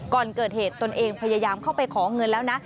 ก่อนเกิดเหตุตนเองพยายามเข้าไปขอเงินแล้วนะ